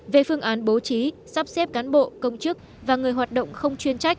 về phương án bố trí sắp xếp cán bộ công chức và người hoạt động không chuyên trách